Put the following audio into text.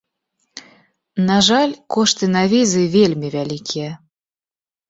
На жаль, кошты на візы вельмі вялікія.